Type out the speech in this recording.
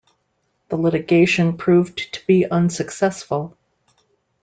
The litigation proved to be unsuccessful.